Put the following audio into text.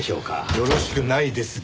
よろしくないですが。